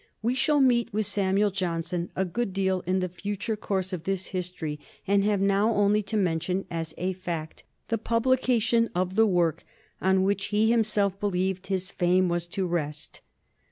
We shall meet with Samuel Johnson a good deal in the future course of this history, and have now only to men tion as a fact the publication of the work on which he himself believed his fame was to rest.